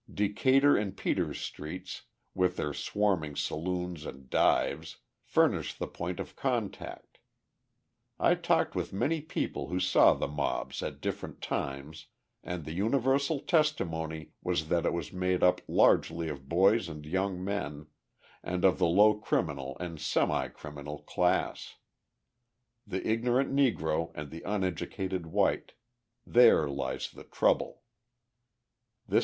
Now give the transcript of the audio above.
Decatur and Peters streets, with their swarming saloons and dives, furnish the point of contact. I talked with many people who saw the mobs at different times, and the universal testimony was that it was made up largely of boys and young men, and of the low criminal and semi criminal class. The ignorant Negro and the uneducated white; there lies the trouble!